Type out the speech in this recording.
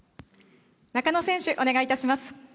中野選手、お願いいたします。